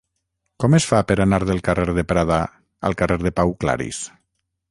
Com es fa per anar del carrer de Prada al carrer de Pau Claris?